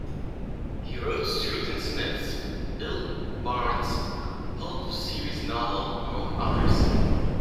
He wrote Street and Smith's Bill Barnes pulp series novels, among others.